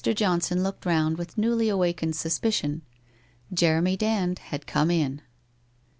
Johnbon looked round with newly awakened suspicion. Jeremy Dand had come in!